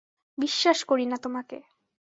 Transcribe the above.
বিশ্বাস করি না তোমাকে।